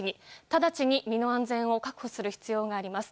直ちに身の安全を確保する必要があります。